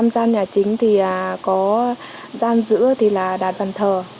năm gian nhà chính thì có gian giữa thì là đạt văn thờ